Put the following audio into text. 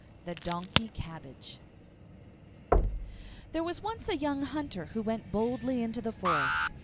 THE DONKEY CABBAGE There was once a young Hunter who went boldly into the forest.